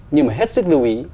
nhưng mà hết sức lưu ý